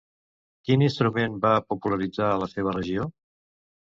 Quin instrument va popularitzar a la seva regió?